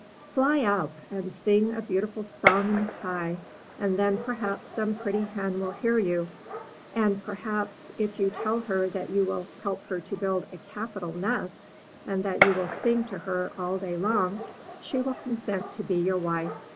Fly up, and sing a beautiful song in the sky, and then perhaps some pretty hen will hear you; and perhaps, if you tell her that you will help her to build a capital nest, and that you will sing to her all day long, she will consent to be your wife.